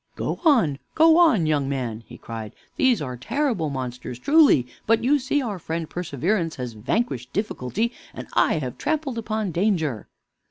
"Go on, go on, young man!" he cried. "These are terrible monsters truly, but you see our friend Perseverance has vanquished Difficulty, and I have trampled upon Danger."